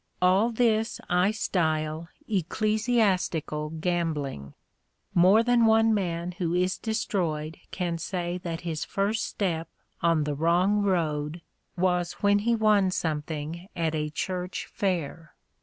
All this I style ecclesiastical gambling. More than one man who is destroyed can say that his first step on the wrong road was when he won something at a church fair.